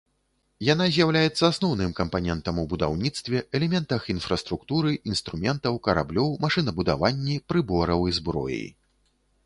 Яна з'яўляецца асноўным кампанентам у будаўніцтве, элементах інфраструктуры, інструментаў, караблёў, машынабудаванні, прыбораў і зброі.